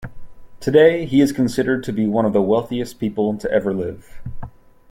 Today, he is considered to be one of the wealthiest people to ever live.